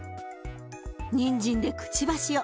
にんじんでくちばしを。